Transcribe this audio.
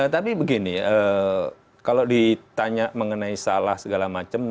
tapi begini kalau ditanya mengenai salah segala macam